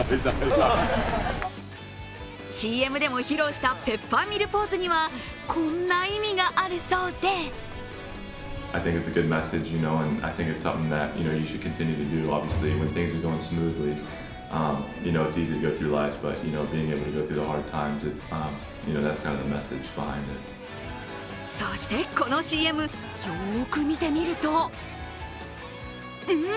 ＣＭでも披露したペッパーミルポーズにはこんな意味があるそうでそしてこのＣＭ、よく見てみるとん？